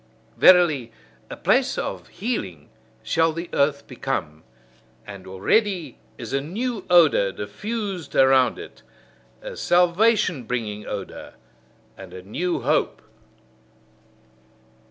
Verily, a place of healing shall the earth become! And already is a new odour diffused around it, a salvation bringing odour and a new hope!